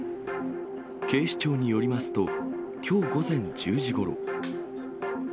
警視庁によりますと、きょう午前１０時ごろ。